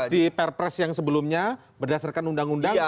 di perpres yang sebelumnya berdasarkan undang undang